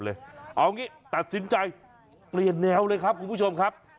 เอางี้ตัดสินใจเปลี่ยนแนวเลยครับคุณผู้ชมครับ